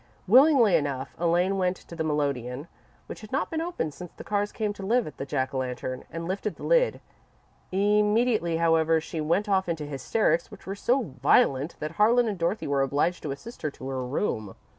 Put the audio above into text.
Willingly enough, Elaine went to the melodeon, which had not been opened since the Carrs came to live at the Jack o' Lantern, and lifted the lid. Immediately, however, she went off into hysterics, which were so violent that Harlan and Dorothy were obliged to assist her to her room.